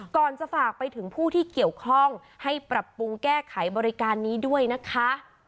ก่อนจะฝากไปถึงผู้ที่เกี่ยวข้องให้ปรับปรุงแก้ไขบริการนี้ด้วยนะคะ